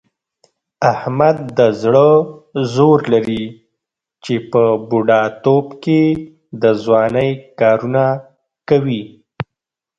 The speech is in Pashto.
احمد د زړه زور لري، چې په بوډا توب کې د ځوانۍ کارونه کوي.